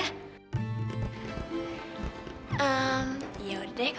ehm ya udah deh